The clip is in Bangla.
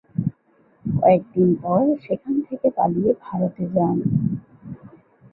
কয়েক দিন পর সেখান থেকে পালিয়ে ভারতে যান।